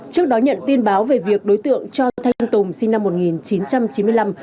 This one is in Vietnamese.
trước đó nhận tin báo về việc đối tượng cho thanh tùng sinh năm một nghìn chín trăm chín mươi năm